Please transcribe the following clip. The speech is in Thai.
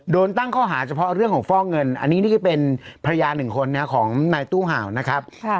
ตั้งข้อหาเฉพาะเรื่องของฟอกเงินอันนี้นี่ก็เป็นภรรยาหนึ่งคนของนายตู้เห่านะครับ